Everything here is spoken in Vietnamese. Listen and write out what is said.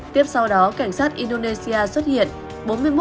tiếp sau đó cảnh sát indonesia xuất hiện